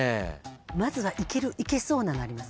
まずはいけそうなのあります？